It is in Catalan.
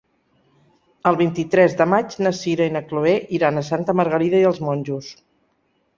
El vint-i-tres de maig na Sira i na Chloé iran a Santa Margarida i els Monjos.